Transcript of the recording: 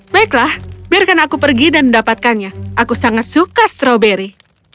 baiklah biarkan aku pergi dan mendapatkannya aku sangat suka stroberi